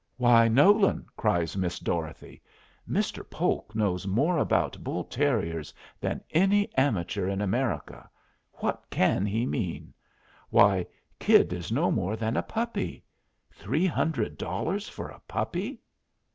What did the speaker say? "Why, Nolan!" cries Miss Dorothy, "Mr. Polk knows more about bull terriers than any amateur in America. What can he mean? Why, Kid is no more than a puppy! Three hundred dollars for a puppy!"